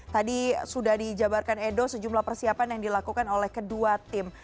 tadi sudah dijabarkan edo sejumlah persiapan yang dilakukan oleh kedua tim